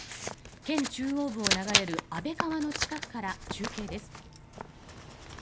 県中央部を流れる安倍川の近くから中継です。